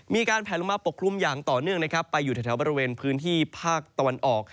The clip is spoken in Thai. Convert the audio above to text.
มีการแผลลงมาปกคลุมอย่างต่อเนื่องนะครับไปอยู่แถวบริเวณพื้นที่ภาคตะวันออก